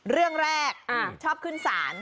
เรื่องแรกชอบขึ้นศาล